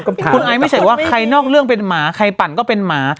คุณไอซ์ไม่ใช่ว่าใครนอกเรื่องเป็นหมาใครปั่นก็เป็นหมา